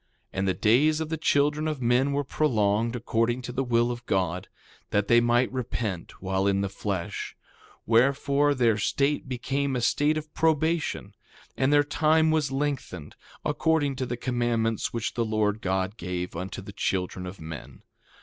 2:21 And the days of the children of men were prolonged, according to the will of God, that they might repent while in the flesh; wherefore, their state became a state of probation, and their time was lengthened, according to the commandments which the Lord God gave unto the children of men.